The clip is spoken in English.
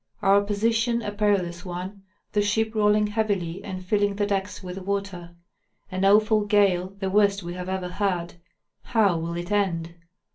our position a perilous one, the ship roll ing heavily and filling the decks with water ; an awful gale, the worst we have ever had,—how will it end?